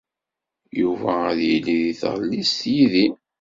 Yuba ad yili deg tɣellist yid-i.